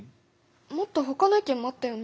もっとほかの意見もあったよね？